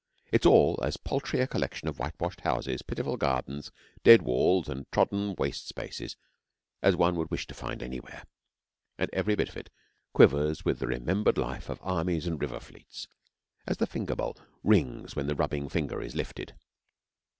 It is all as paltry a collection of whitewashed houses, pitiful gardens, dead walls, and trodden waste spaces as one would wish to find anywhere; and every bit of it quivers with the remembered life of armies and river fleets, as the finger bowl rings when the rubbing finger is lifted.